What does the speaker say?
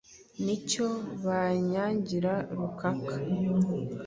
Ni cyo banyangira rukaka